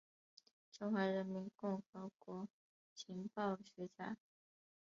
中华人民共和国情报学家。